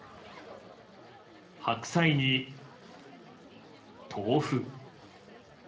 白菜に豆腐。